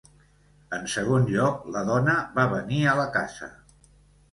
En segon lloc, la dona va venir a la casa.